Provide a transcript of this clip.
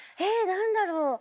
え何だろう？